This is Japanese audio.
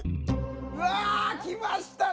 うわきましたね。